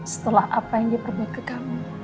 setelah apa yang dia perbuat ke kamu